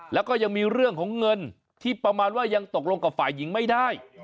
แล้วก็ยังมีเรื่องของเงินที่ประมาณว่ายังตกลงกับฝ่ายหญิงไม่ได้